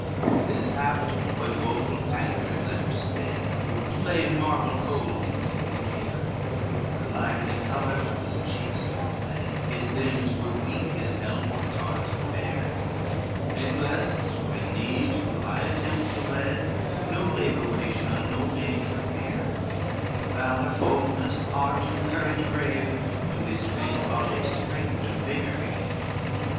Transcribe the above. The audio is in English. XXXII This happed when woful Tancred left his bed To lay in marble cold his mistress dear, The lively color from his cheek was fled, His limbs were weak his helm or targe to bear; Nathless when need to high attempts him led, No labor would he shun, no danger fear, His valor, boldness, heart and courage brave, To his faint body strength and vigor gave.